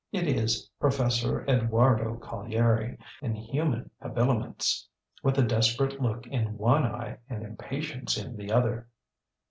It is Professor Eduardo Collieri, in human habiliments, with a desperate look in one eye and impatience in the other.